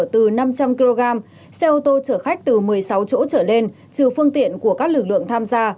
từ năm trăm linh kg xe ô tô chở khách từ một mươi sáu chỗ trở lên trừ phương tiện của các lực lượng tham gia